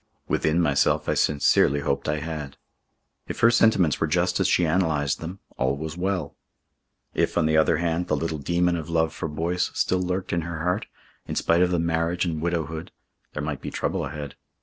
Within myself I sincerely hoped I had. If her sentiments were just as she analysed them, all was well. If, on the other hand, the little demon of love for Boyce still lurked in her heart, in spite of the marriage and widowhood, there might be trouble ahead.